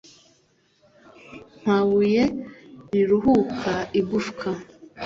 nta buye riruhuka, igufwa